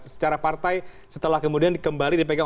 secara partai setelah kemudian kembali dipegang